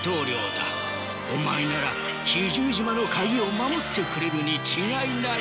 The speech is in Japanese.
お前なら奇獣島の鍵を守ってくれるに違いない。